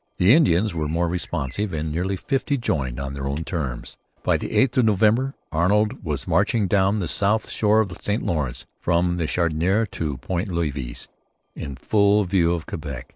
The Indians were more responsive, and nearly fifty joined on their own terms. By the 8th of November Arnold was marching down the south shore of the St Lawrence, from the Chaudiere to Point Levis, in full view of Quebec.